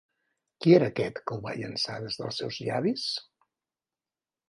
Qui era aquest que ho va llançar des dels seus llavis?